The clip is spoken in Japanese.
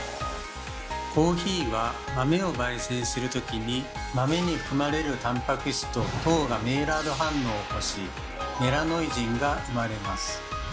コーヒーは豆をばい煎する時に豆に含まれるタンパク質と糖がメイラード反応を起こしメラノイジンが生まれます。